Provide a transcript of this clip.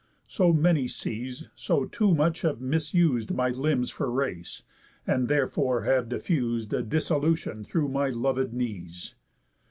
So many seas so too much have misus'd My limbs for race, and therefore have diffus'd A dissolution through my lovéd knees."